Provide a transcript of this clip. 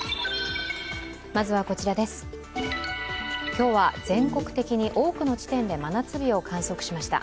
今日は全国的に多くの地点で真夏日を観測しました。